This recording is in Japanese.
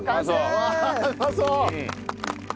うわうまそう！